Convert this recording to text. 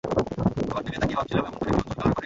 তোমার দিকে তাকিয়ে ভাবছিলাম এমন করে কেউ চুল কালার করে।